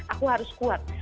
aku harus kuat